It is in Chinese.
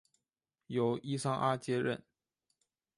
由伊桑阿接任。